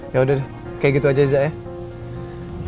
yaudah deh kayak gitu aja ee zak ya